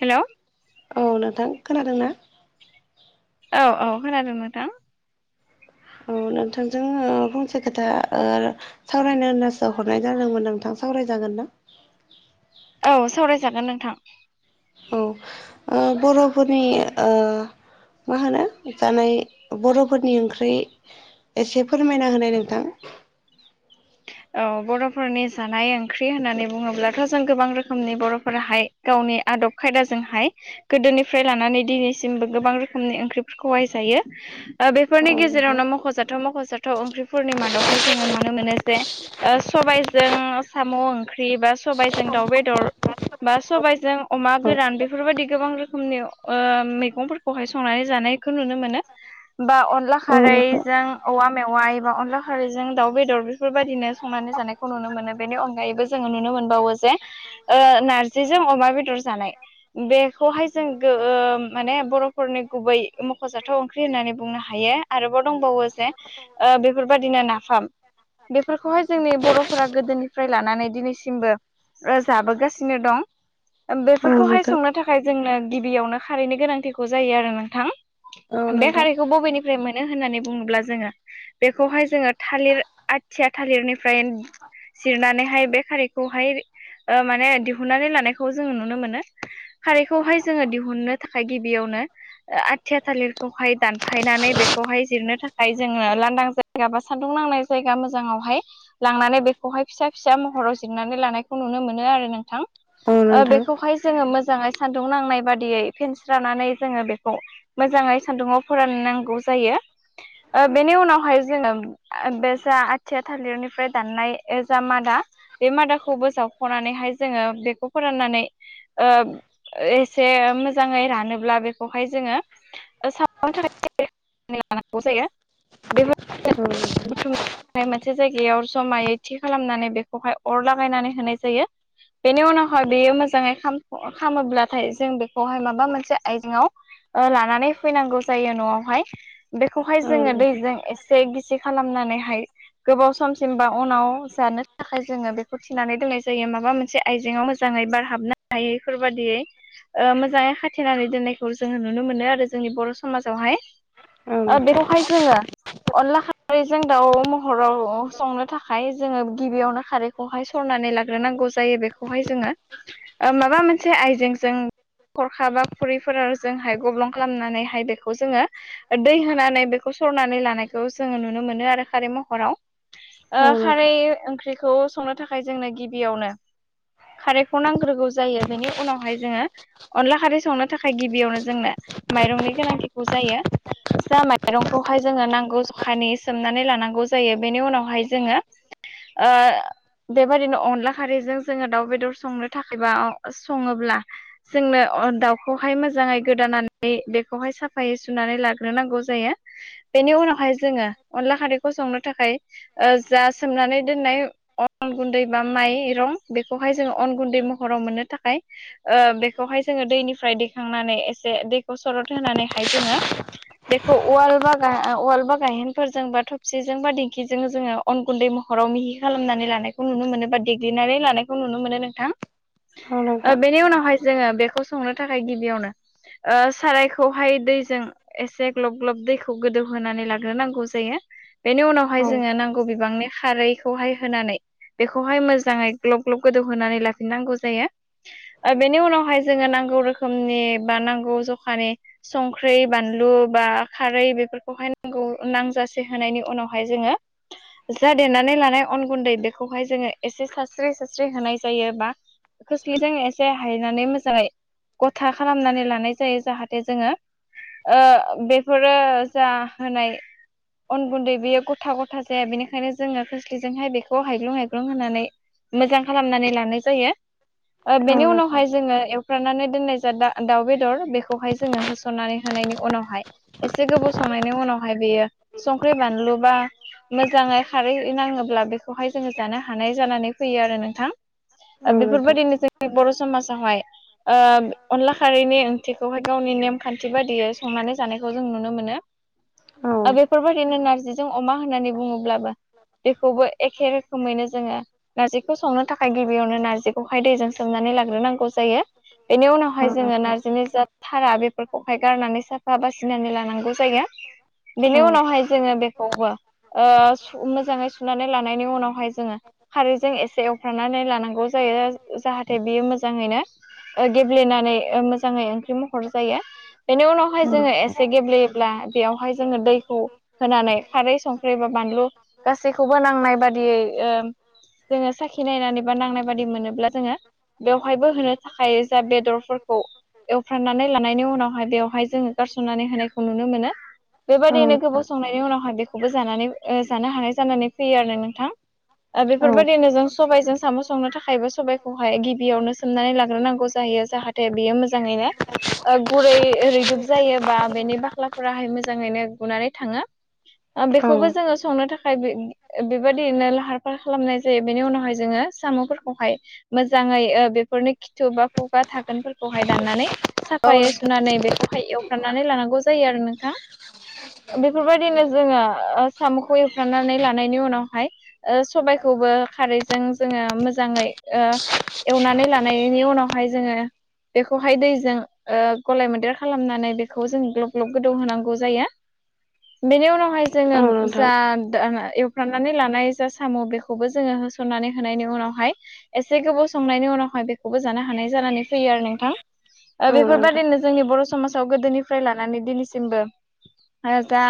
हेल' औ नोंथां खोनादों ना? औ-औ खोनादों नोंथां। औ नोंथांजों फंसे खोथा ओ सावरायनो होनासो हरनाय जादोंमोन नोंथां सावरायजागोन्ना? औ सावरायजागोन नोंथां। औ ओ बर'फोरनि ओ मा होनो जानाय बर'फोरनि ओंख्रि एसे फोरमायना होनाय नोंथां? औ बर'फोरनि जानाय ओंख्रि होननानै बुङोब्लाथ' जों गोबां रोखोमनि बर'फोराहाय गावनि आदब खायदाजोंहाय गोदोनिफ्राय लानानै दिनैसिमबो गोबां रोखोमनि ओंख्रिफोरखौहायजायो। औ बेफोरनि नोंथां गेजेरावनो मख'जाथाव मख'जाथाव ओंख्रिफोरनि मादावखाय जोङो नुनो मोनो जे ओ सबायजों साम' ओंख्रि बा सबबायजों दाउ बेदर बा सबायजों अमा गोरान औ बेफोरबायदि गोबां रोखोमनि ओ मैगंफोर बहाय संनानै जानायखौ नुनो मोनो। बा अनला औ खारैजों नोंथां औवा मेवा एबा अनला खारैजों दाउ बेदर बेफोरबायदिनो संनानै जानायखौ नुनो मोनो बेनि अनगायैबो जोङो नुनो मोनबावो जे ओ नारजिजों अमा बेदर जानाय बेखौहाय जों ओ माने बर'फोरनि गुबै मख'जाथाव ओंख्रि होननानै बुंनो हायो। आरोबाव दंबावो जे ओ बेफोरबायदिनो नाफाम बेफोरखौहाय जोंनि बर'फोरा गोदोनिफ्राय लानानै दिनैसिमबो जाबोगासिनो दं। औ बेफोरखौहाय नोंथां संनो थाखाय जोंनो गिबियावनो खारैनि गोनांथिखौ जायो आरो नोंथां। बे हारिखौ बबेनि मोनो होननानै बुङोब्ला जोङो बेखौहाय जोङो थालिर आथिया थालिरनि फ्राय जिरनानैहाय बे खारैखौहाय ओ माने दिहुननानै लानायखौ जोङो नुनो मोनो। खारैखौहाय जोङो दिहुननो थाखाय गिबियावनो आथिया थालिरखौहाय दानफायनानै बेखौहाय जिरनो थाखाय जोङो लांदां जाय गा बा सान्दुं नांनाय जायगा मोजाङावहाय लांनानै बेखौहाय फिसा फिसा महराव जिरनानै लानायखौ नुनो मोनो आरो नोंथां। औ ओ नोंथां बेखौहाय जोङो मोजाङै सान्दुं नांनाय बादियै फेन्स लानानै जोङो बेखौ मोजाङै सान्दुङाव फोराननांगौ जायो। ओ बेनि उनावहाय जोङो बे जा आथिया थालिरनिफ्राय दाननाय जा मादा बे मादाखौबोोसावख'नानैहाय जोङो बेखौ फोराननानै ओ एसे मोजाङै रानोब्ला बेखौहाय जोङो [unintelligible] लानांगौ जायो बेफोर औ नोंथां [unintelligible] मोनसे जायगायाव समायै थि खालामनानै बेखौहाय अर लागायनानै होनाय जायो। बेनि उनावहाय बेयो मोजाङै खालामामोब्लाथाय जों बेखौहाय माबा मोनसे आयजङआव ओ लानानै फैनांगौ जायो न'आवहाय बेखौहाय औ जोङो नोंथां दैजों एसे गिसि खालामनानैहाय गोबाव सम सिमबा उनाव जानो थाखाय जोङो बेखौ थिनानै दोननाय जायो माबा मोनसे आइजेंाव मोजाङै बारह हाबनो हायैफोरबायाददियै ओ मोजाङै खाथेनानै दोननायखौ जोङो नुनो मोनो आरो जोंनि बर' समाजावहाय ओ औ बेखौहाय जोङो अनला खारैजों दाउ महराव संनो थाखाय जोङो गिबियावनो खारैखौहाय सरनानै लाग्रोनांगौ जायो बेखौहाय जोङो। माबा मोनसे आइजेंजों खरखा बा खुरैफोर जोंहाय गब्लं खालामनानैहाय बेखौ जोङो दै होनानै बेखौ सरनानै लानायखौ जोङो नुनो मोनो आरो खारै महराव ओ खारै नोंथां ओंख्रिखौ संनो थाखाय जोंनो गिबियावनो खारैखौ नांग्रोगौ जायो बेनि उनावहाय जोङो अनला खारै संनो थाखाय गिबियावनो जोंनो माइरंनि गोनांथिखौ जायो। जा माइरंखौहाय जोङो नांगौ जखानि सोमनानै लानांगौ जायो बेनि उनाव बेवहाय जोङो ओ बेबायदिनो अनला खारैजों जोङो दाउ बेदर संनो थाखायबा सङोब्ला जोंनो दाउखौहाय मोजाङै गोदानानै बेखौहाय सा फायै सुनानै लाग्रोनांगौ जायो। बेनि उनावहाय जोङो अनला खारैखौ संनो थाखाय जा सोमनानै दोननाय अन गुन्दै बा माइरं बेखौहाय जोङो अन गुन्दै महराव मोननो थाखाय ओ बेखौहाय जोङो दैनिफ्राय दैखांनानै एसे दैखौ सरद होनानैहाय जोङो बेखौ उवाल ब उवाल बा गायहेनफोरजोंबा थबसिजोंबा दिंखि जों जोङो अन गुन्दै महराव मिहि खालामनानै लानायखौ नुनो मोनो बा देग्लिनानै लानायखौ नुनो मोनो नोंथां। औ नोंथां औ नोंथां औ ओ नोंथां बेनि उनावहाय जोङो बेखौ संनो थाखाय गिबियावनो ओ सारायखौहाय दैजों एसे ग्लब ग्लब दैखौ गोदौहोनानै लाग्रोनांगौ जायो बेनि उनाव बेहाय औ जोङो नांगौ बिबांनि खारै खौहाय होनानै बेखौहाय मोजाङै ग्लब ग्लब गोदौहोनानै लाफिननांगौ जायो। बेनि उनावहाय जोङो नांगौ रोखोमनि बा नांगौ जखानि संख्रि बानलु बा खारै बेफोरखौहाय नांगौ नांजासे होनायनि उनाव बेहाय जोङो जा देरनानै लानाय अन गुन्दै बेखौहाय जोङो एसे सारास्रि सास्रि होनाय जायो बा खोस्लिजों एसे हायनानै मोजाङै गथा खालामनानै लानाय जायो जाहाथे जोङो ओ बेफोरो जा होनाय अन गुन्दै बेयो गथा गथा जाया बेनिखायनो जोङो खोस्लिजोंहाय बेखौ हायग्लुं हायग्लुं होनानै मोजां खालामनानै लानाय जायो ओ औ बेनि नोंथां उनावहाय जोङो एवफ्रानानै दोननाय जा दा-दाउ बेदर बेखौहाय जोङो होसननानै होनायनि उनावहाय एसे गोबाव संनायनि उनावहाय बेयो संख्रि बानलु बा मोजाङै खारै नाङोब्ला बेखौहाय जोङो जानो हानाय जानानै फैयो आरो नोंथां। ओ औ नोंथां बेफोरबायदिनो जों बर' समाजावहाय ओ अनला खारैनि ओंथिखौहाय गावनि नेम खान्थि बायदियै संनानै जानायखौ जों नुनो मोनो ओ औ बेफोरबायदिनो नारजि जों अमा होननानै बुङोब्लाबो बेखौबो एखे रोखोमैनो जोङो नारजिखौ संनो थाखाय गिबियावनो नारजिखौहाय दैजों सोमनानै लाग्रोनांगौ जायो। बेनि औ औ उनावहाय जोङो नारजिनि जा भारा बेफोरखौहाय गारनानै साफा बासिनानै लानांगौ जायो। बिनि उनावहाय जोङो बे खौबो मोजाङै सुनानै लानायनि उनावहाय जोङो खारैजों एसे एवफ्रानानै लानांगौ जायो जाहाथे बियो मोजाङैनो गेब्लेनानै मोजाङै ओंख्रि महर जायो बेनि उनाव हाय जोङो एसे गेब्लेयोब्ला बेयावहाय जोङो दैखौ होनानै खारै संख्रि बा बानलु गासैखौबो नांनाय बादियै ओ जोङो साखि नायनानै बा नांनाय बायदि मोनोब्ला जोङो बेवहायबो होनो थाखाय जा बेदरफोरखौ एवफ्राननानै लानायनि उनावहाय बेवहाय जोङो गारसननानै होनायखौ नुनो मोनो। बेबायदियैनो गोबाव संनायनि उनावहाय बेखौबो जानानै जानो हानाय जानानै फैयो आरो नोंथां। ओ बेफोरबायदिनो जों सबायजों साम' संनो थाखायबो सबायखौहाय गिबियावनो सोमनानै लाग्रोनांगौ जायो। जाहाथे बियो मोजाङैनो ओ गुरै रैदुब जायो बा बेनि बाख्लाफोराहाय मोजाङैनो गुनानै थाङो बेखौबो जोङो संनो थाखाय बे बेबायदििनो लाहार फाहार खालामनाय जायो बेनि उनावहाय जोङो साम'फोरखौहाय मोजाङै बेफोरनो खिथु बा खुगा थाखोनफोरखौहाय दाननानै साफायै सुनानै बेखौहाय एवफ्रनानै लानांगौ जायो आरो नोंथां बेफोरबायदिनो जोङो साम'खौ एवफ्रानानै लानायनि उनावहाय सबायखौबो खारैजों जोङो मोजाङै ओ एवनानै लानायनि उनावहाय जोङो बेखौहाय दैजों ओ गलाय मोन्देर खालामनानै बेखौ जों ग्लब ग्लब गोदौ होनांगौ जायो बेनि उनाव जोङो नोंथां औ नोंथां औ नोंथां जा औ नोंथां दा एव हुफ्रामनानै लानाय जा साम' बेखौबो जोङो होसननानै होनायनि उनावहाय एसे गोबाव संनायनि उनावहाय बेखौबो जानो हानाय जानानै फैयो आरो नोंथां। औ नोंथां बेफोरबादिनो जोंनि बर' समाजाव गोदोनिफ्राय लानानै दिनैसिमबो जा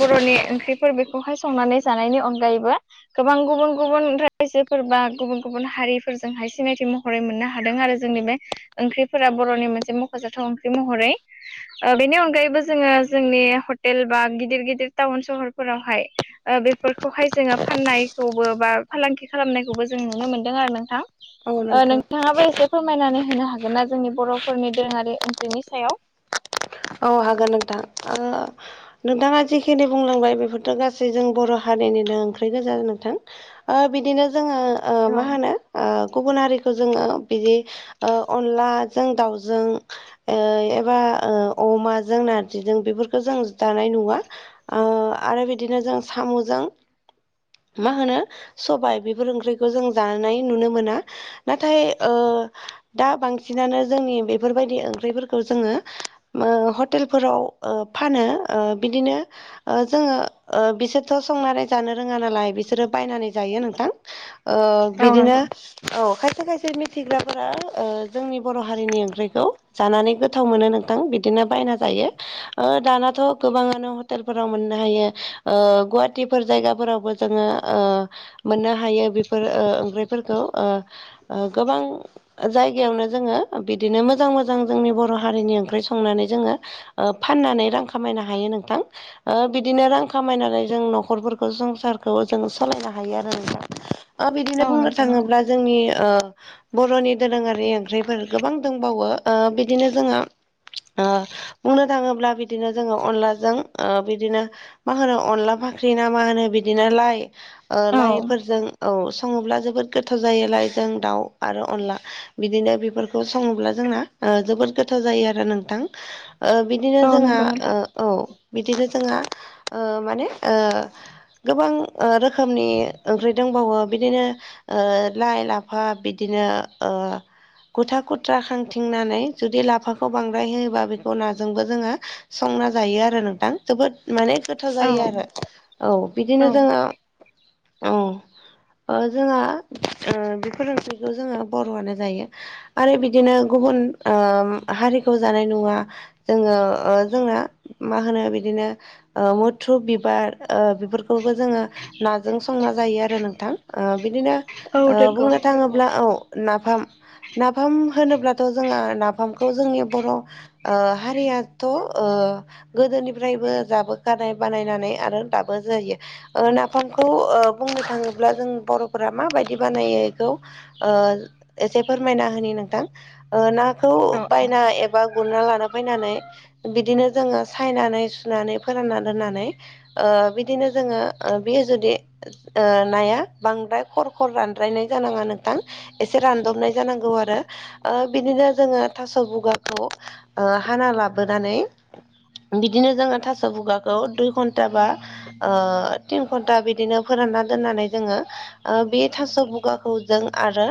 बर'नि ओंख्रिफोर बेखौहाय संनानै जानायनि अनगायैबो गोबां गुबुन गुबुन रायजोफोर बा गुबुन गुबुन हारिफोरजोंहाय सिनायथि म महरै मोननो हादों आरो जोंनि बे ओंख्रिफोरा बर'नि मोनसे मख'जाथाव ओंख्रि महरै बेनि अनगायैबो जोङो जोंनि हटेल बा गिदिर गिदिर टाउन सहरफोरावहाय बेफोरखौहाय जोङो फाननायखौबो बा फालांगि खालामनायखौबो जों नुनो मोनदों आरो औ नोंथां। नोंथां नोंथाङाबो एसे फोरमायनानै होनो हागोन ना जोंनि बर'फोरनि दोरोङारि ओंख्रिनि सायाव? औ हागोन नोंथां। नोंथाङा जिखिनि बुंलांबाय बेफोरथ' गासै जों बर' हारिनिनो ओंख्रि गोजा नोंथां। बिदिनो जोङो औ मा होनो गुबुन हारिखौ खौ जोङो बिदि अनलाजों दाउजों एबा अमाजों नारजिजों बेफोरखौ जों दानाय नुवा आरो बिदिनो जों साम'जों मा होनो सबाय बेफोर ओंख्रिखौ जों जानायानानै नुनो मोना नाथाय ओ दा बांसिनानो जोंनि बेफोरबायदि ओंख्रिफोरखौ जोङो हटेलफोराव फानो बिदिनो जोङो बिसोरथ' संनानै जानो रोङा नालाय बिसोरो बायनानै जायो नोंथां ओ औ बिदिनो नंगौ औ खायसे खायसे मिथिग्राफोरा जोंनि बर' हारिनि ओंख्रिखौ जानानै गोथाव मोनो नोंथां बिदिनो बायना जायो दानाथ' गोबाङानो हटेलफोराव मोननो हायो गुवाहाटिफोर जायगाफोरावबो जोङो मोननो हायो बेफोर ओंख्रिफोरखौ गोबां जायगायावनो जोङो बिदिनो मोजां मोजां जोंनि बर' हारिनि ओंख्रि संनानै जोङो फाननानै रां खामायनो हायो नोंथां। बिदिनो रां खामायनानै जों न'खरफोरखौ संसारखौ जों सोलायनो हायो आरो दा ओ बिदिनो औ बुंनो नंगौ नोंथां थाङोब्ला जोंनि बर'नि दोरोङारि ओंख्रिफोर गोबां दंबावो बिदिनो जोंहा बुंनो थाङोब्ला बिदिनो जोङो अनलाजों बिदिनो मा होनो अनला फाख्रि ना मा होनो बिदिनो लाइ औ लाइफोरजों औ सङोब्ला जोबोद गोथाव जायोोलाय जों दाउ आरो अनला बिदिनो बेफोरखौ सङोब्ला जोंना जोबोद गोथाव जायो आ रो नोंथां बिदिनो औ जोंहा नंगौ नोंथां औ बिदिनो जोंहा माने ओ गोबां रोखोमनि ओंख्रि दंबावो बिदिनो ओ लाइ लाफा बिदिनो गुथा गुथ्रा खांथिंनानै जुदि लाफा बेखौ बांद्राय होयोबा बेखौ नाजोंबो जोङो संना जायो आरो नोंथां जोबोद माने गोथाव औ जायो आरो औ औ बिदिनो जोङो औ जोंहा बेफोर ओंख्रिखौ जोङो बर'आनो जायो। आरो बिदिनो गुबुन ओ हारिखौ जानाय नुवा जोङो ओ जोंना मा होनो बिदिनो ओ मुथ्रु बिबार ओ बेफोरखौबो जोङो नाजों संना जायो आरो नोंथां ओ बिदिनो औ ओ नंगौ बुंनो थाङोब्ला औ नाफाम नाफाम होनोब्लाथ' जोंहा नाफाम खौ जोंनि बर' ओ हारियाथ' गोदोनिफ्रायबो जाबोखानाय बानायनानै आरो दाबो जायो नाफामखौ ओ बुंनो थाङोब्ला जों बर'फोरा माबायदि बानायो बेखौ ओ एसे फोरमायना होनि नोंथां नाखौ औ बायना एबा बा गुरना लानो फैनानै बिदिनो जोङो सायनानै सुनानै फोरानना दोननानै ओ बिदिनो जोङो बेयो जुदि नाया बांद्राय खर' खर' रानद्रायनाय जानाङा नों थां एसे रानदबनाय जानांगौ आरो बिदिनो जोङो थास' गुगाखौ हाना लाबोनानै बिदिनो जोङो थास' बुगाखौ दुइ घन्टाबा ओ तिन घन्टा बिदिनो फोरानना दोननानै जोङो ओ बे थास' बुगाखौ जों आरो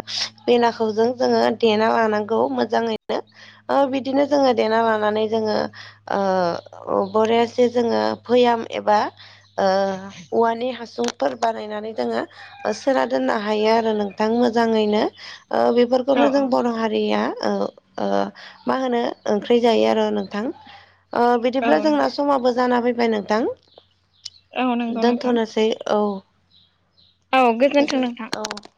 बेनाखौ जों जोङो देना लानांगौ मोजाङै नो ओ बिदिनो जोङो देना लानानै जोङो ओ बरयासे जोङो भैयाम एबा ओ औवानि हासुंफोर बानायनानै दोङो ओ सोना दोननो हायो आरो नोंथां मोजाङैनो ओ बे- औ फोरखौनो जों बर' हारिया ओ ओ मा होनो ओंख्रि जायो आरो नोंथां ओ औ बिदिब्ला जोङो समाबो जाना फैबाय नोंथां औ नंगौ नोंथां दोनथ'नोसै औ औ गोजोन्थों नोंथां [inaudible] औ